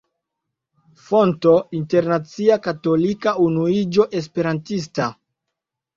Fonto: Internacia Katolika Unuiĝo Esperantista.